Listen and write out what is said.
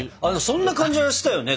そんな感じはしたよね！